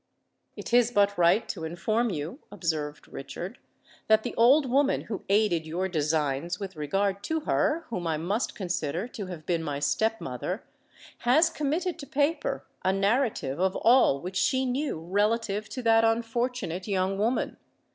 "It is but right to inform you," observed Richard, "that the old woman who aided your designs with regard to her whom I must consider to have been my step mother, has committed to paper a narrative of all which she knew relative to that unfortunate young woman.